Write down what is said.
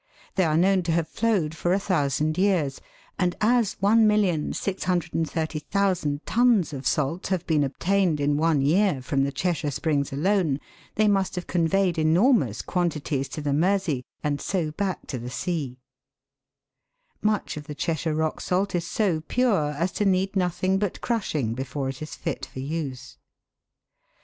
They are known to have flowed for 1,000 years, and as 1,630,000 tons of salt have been obtained in one year from the Cheshire springs alone, they must have con veyed enormous quantities to the Mersey, and so back to the sea. Much of the ChesTrire rock salt is so pure as to need nothing but crushing before it is fit for use.